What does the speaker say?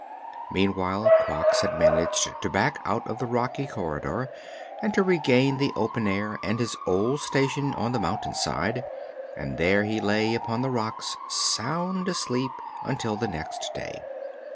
Meantime Quox had managed to back out of the rocky corridor and so regain the open air and his old station on the mountain side, and there he lay upon the rocks, sound asleep, until the next day.